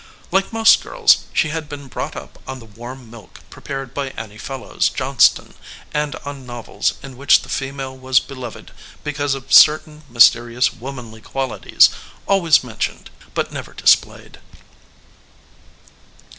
Like most girls she had been brought up on the warm milk prepared by Annie Fellows Johnston and on novels in which the female was beloved because of certain mysterious womanly qualities always mentioned but never displayed.